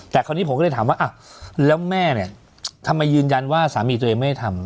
แต่คราวนี้ผมก็เลยถามว่าอ้าวแล้วแม่เนี่ยทำไมยืนยันว่าสามีตัวเองไม่ได้ทำ